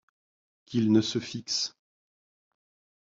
Qu’il ne se fixe.